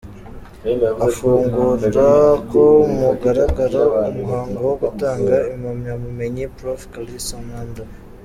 Afungura ku mugaragaro umuhango wo gutanga impampabumenyi, Prof.Kalisa Mbanda